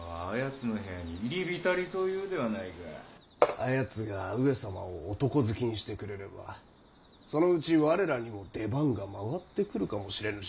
あやつが上様を男好きにしてくれればそのうち我らにも出番が回ってくるかもしれぬしなぁ。